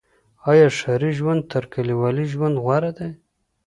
آيا ښاري ژوند تر کليوالي ژوند غوره دی؟